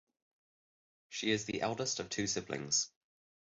She is the eldest of two siblings.